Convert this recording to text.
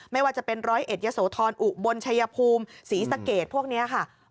ไม่ว่าจะเป็นร้อยเอ็ดยะโสธรอุบลชัยภูมิศรีสะเกดพวกนี้ค่ะ